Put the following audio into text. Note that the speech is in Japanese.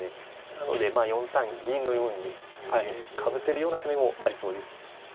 なので４三銀のようにかぶせるような攻めもありそうです。